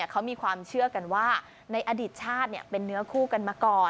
เขามีความเชื่อกันว่าในอดีตชาติเป็นเนื้อคู่กันมาก่อน